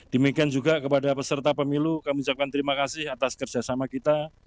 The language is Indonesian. demikian juga kepada peserta pemilu kami ucapkan terima kasih atas kerjasama kita